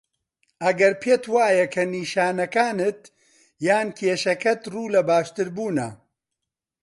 ئەگەر پێت وایه که نیشانەکانت یان کێشەکەت ڕوو له باشتربوونه